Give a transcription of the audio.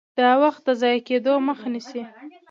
دا د وخت د ضایع کیدو مخه نیسي.